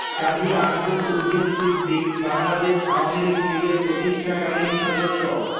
কাজী আকবর উদ্দিন সিদ্দিক বাংলাদেশ আওয়ামীলীগের প্রতিষ্ঠাকালীন সদস্য।